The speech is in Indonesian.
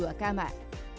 untuk tipe dua kamar